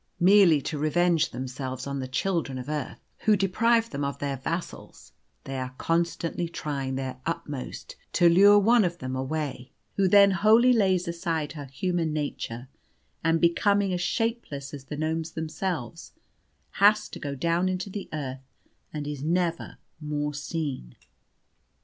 Merely to revenge themselves on the children of earth, who deprive them of their vassals, they are constantly trying their utmost to lure one of them away, who then wholly lays aside her human nature, and, becoming as shapeless as the gnomes themselves, has to go down into the earth, and is never more seen."